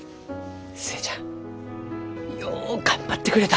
寿恵ちゃんよう頑張ってくれた。